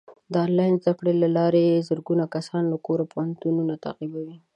د آنلاین زده کړو له لارې زرګونه کسان له کوره پوهنتونونه تعقیبوي.